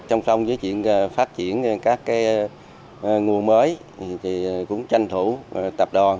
trong sống với chuyển phát triển các nguồn mới thì cũng tranh thủ tập đoàn